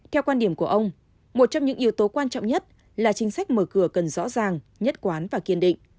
theo quan điểm của ông một trong những yếu tố quan trọng nhất là chính sách mở cửa cần rõ ràng nhất quán và kiên định